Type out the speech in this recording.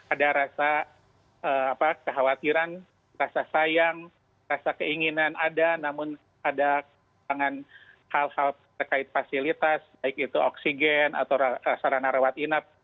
ada rasa kekhawatiran rasa sayang rasa keinginan ada namun ada hal hal terkait fasilitas baik itu oksigen atau sarana rawat inap